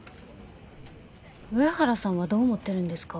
上原さんはどう思ってるんですか？